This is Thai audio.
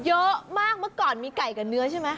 เยอะมากเมื่อก่อนมีไก่กับเนื้อใช่ไหม